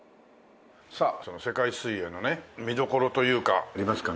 さあその世界水泳のね見どころというかありますか？